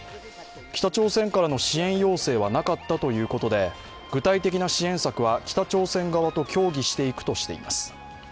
北朝鮮からの支援要請はなかったということで具体的な支援策は北朝鮮側と協議していくとしています。